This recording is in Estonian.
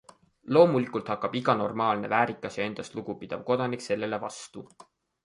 Loomulikult hakkab iga normaalne, väärikas ja endast lugu pidav kodanik sellele vastu.